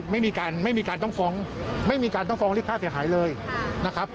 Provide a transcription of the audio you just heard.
ไม่มีการไม่มีการต้องฟ้องไม่มีการต้องฟ้องเรียกค่าเสียหายเลยนะครับ